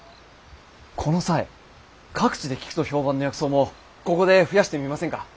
この際各地で効くと評判の薬草もここで増やしてみませんか？